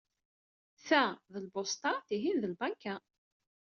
Ta d lbusṭa, tihin d lbanka.